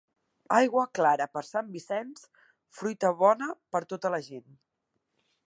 Aigua clara per Sant Vicenç, fruita bona per tota la gent.